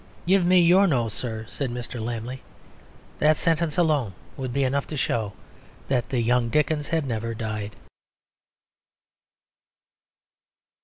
"Give me your nose, Sir," said Mr. Lammle. That sentence alone would be enough to show that the young Dickens had never died.